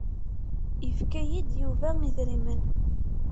Yefka-yi-d Yuba idrimen.